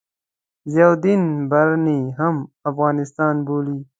ضیاألدین برني هم افغانستان بولي.